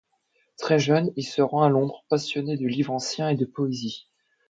Très jeune, il se rend à Londres, passionné de livres anciens et de poésie.